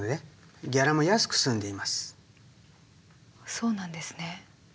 そうなんですね。